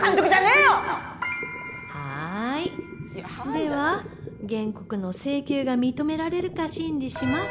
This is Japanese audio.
では原告の請求が認められるか審理します。